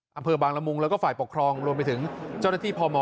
อำเภอบางละมุงแล้วก็ฝ่ายปกครองรวมไปถึงเจ้าหน้าที่พม